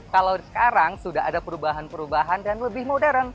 kalau sekarang sudah ada perubahan perubahan dan lebih modern